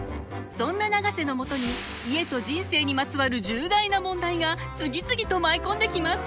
そんな永瀬のもとに家と人生にまつわる重大な問題が次々と舞い込んできます。